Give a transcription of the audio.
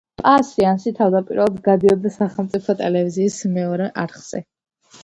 პა სეანსი თავდაპირველად გადიოდა სახელმწიფო ტელევიზიის მეორე არხზე.